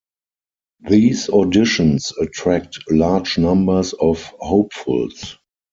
These auditions attract large numbers of hopefuls.